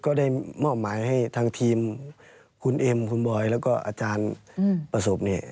ก็ได้มอบหมายให้ทางทีมคุณเอ็มคุณบอยแล้วก็อาจารย์ประสบเนี่ย